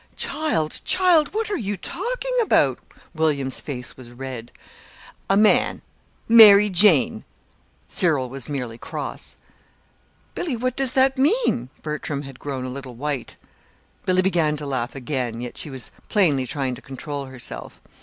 "Child, child! what are you talking about?" William's face was red. "A man! Mary Jane!" Cyril was merely cross. "Billy, what does this mean?" Bertram had grown a little white. Billy began to laugh again, yet she was plainly trying to control herself.